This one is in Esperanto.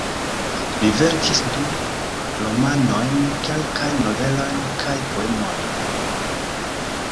Li verkis du romanojn, kelkajn novelojn kaj poemojn.